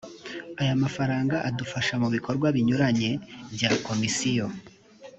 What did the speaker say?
aya mafaranga adufasha mu bikorwa binyuranye bya komisiyo .